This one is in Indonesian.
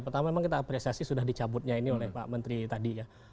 pertama memang kita apresiasi sudah dicabutnya ini oleh pak menteri tadi ya